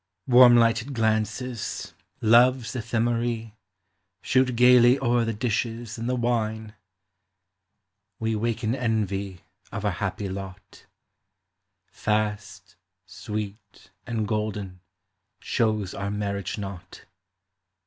Warm lighted glances, Love's Ephemerae, Shoot gayly o'er the dishes and the wine. We waken envy of our happy lot. Fast, sweet, and golden, shows our marriage knot.